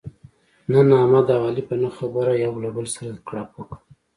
نن احمد او علي په نه خبره یو له بل سره کړپ وکړ.